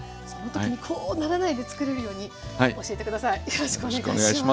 よろしくお願いします。